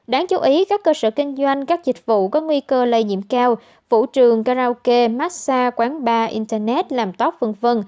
đáng chú ý các cơ sở kinh doanh các dịch vụ có nguy cơ lây nhiễm cao vũ trường karaoke massage quán bar internet làm tóc v v